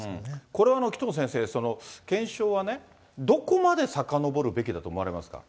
これ、紀藤先生、検証はね、どこまでさかのぼるべきだと思われますか？